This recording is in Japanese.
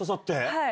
はい。